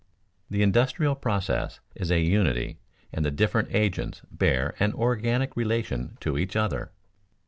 _The industrial process is a unity and the different agents bear an organic relation to each other.